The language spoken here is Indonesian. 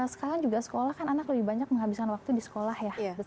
sekarang juga sekolah kan anak lebih banyak menghabiskan waktu di sekolah ya